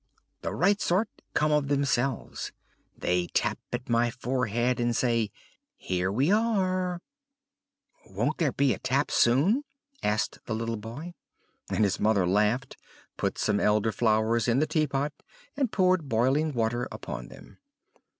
The right sort come of themselves; they tap at my forehead and say, 'Here we are.'" "Won't there be a tap soon?" asked the little boy. And his mother laughed, put some Elder flowers in the tea pot, and poured boiling water upon them.